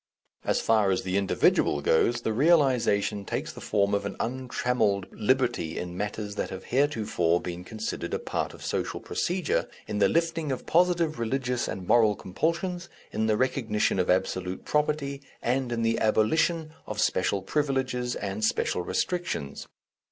As far as the individual goes, the realization takes the form of an untrammelled liberty in matters that have heretofore been considered a part of social procedure, in the lifting of positive religious and moral compulsions, in the recognition of absolute property, and in the abolition of special privileges and special restrictions.